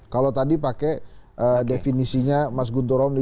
kalau tadi pakai definisinya mas guntur romli